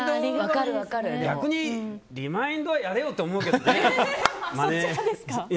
逆にリマインドはやれよって思ううけどね。